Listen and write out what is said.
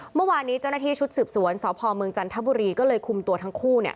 เมื่อวานนี้เจ้าหน้าที่ชุดสืบสวนสพเมืองจันทบุรีก็เลยคุมตัวทั้งคู่เนี่ย